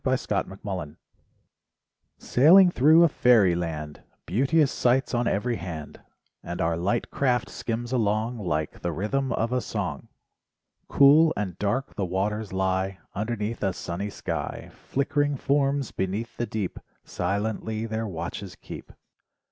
14 LIFE WAVES THE TOMOKA Sailing thru a fairy land, Beauteous sights on every hand, And our light craft skims along Like the rythm of a song. Cool and dark the waters lie Underneath a sunny sky. Flickering forms beneath the deep, Silently their watches keep.